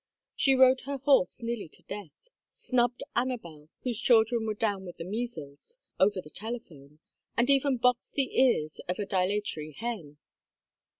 She rode her horse nearly to death, snubbed Anabel whose children were down with the measles over the telephone, and even boxed the ears of a dilatory hen.